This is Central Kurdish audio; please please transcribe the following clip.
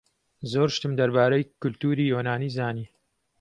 زۆر شتم دەربارەی کولتووری یۆنانی زانی.